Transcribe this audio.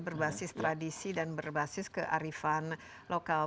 berbasis tradisi dan berbasis kearifan lokal